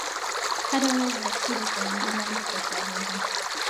هره ورځ بچے د ښوونځي لاندې خوشحالېږي.